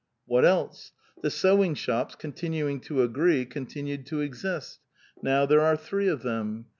What else? The sewing shops, continuing to agree, con tinued to exist. Now there are three of them.